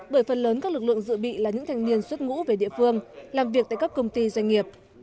bởi phần lớn các lực lượng dự bị là những thanh niên xuất ngũ về địa phương làm việc tại các công ty doanh nghiệp